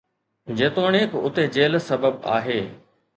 جيتوڻيڪ اتي جيل سبب آهي